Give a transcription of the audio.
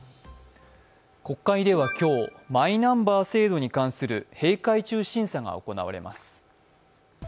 国会では今日マイナンバー制度に関する閉会中審査が行われます。